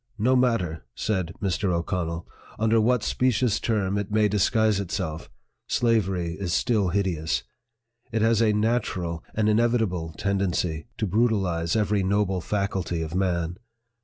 "No matter," said Mr. O'CONNELL, "under what specious term it may disguise itself, slavery is still hideous. It has a natural, an inevitable tendency 'to brutalize every noble faculty of man.